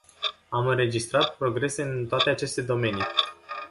Am înregistrat progrese în toate aceste domenii.